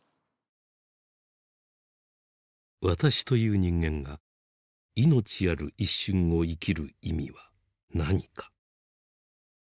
私という人間が命ある一瞬を生きる意味は何か。